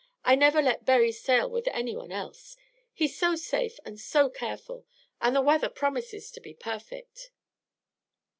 I never let Berry sail with any one else. He's so safe and so careful, and the weather promises to be perfect."